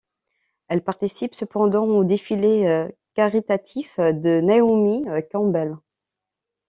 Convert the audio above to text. Elle participe cependant au défilé caritatif de Naomi Campbell.